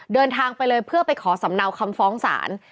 เดินทางไปเลยเพื่อไปขอสำเนาคำฟ้องศาล